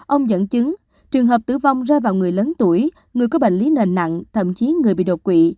ông dẫn chứng trường hợp tử vong rơi vào người lớn tuổi người có bệnh lý nền nặng thậm chí người bị đột quỵ